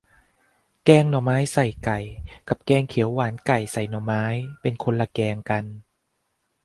แกงหน่อไม้ใส่ไก่ กับแกงเขียวหวานไก่ใส่หน่อไม้ เป็นคนละแกงกัน